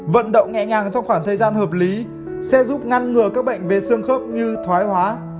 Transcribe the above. vận động nhẹ nhàng trong khoảng thời gian hợp lý sẽ giúp ngăn ngừa các bệnh về xương khớp như thoái hóa